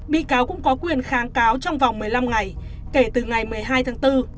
bị cáo cũng có quyền kháng cáo trong vòng một mươi năm ngày kể từ ngày một mươi hai tháng bốn